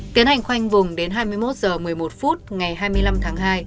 tiến hành khoanh vùng đến hai mươi một h một mươi một phút ngày hai mươi năm tháng hai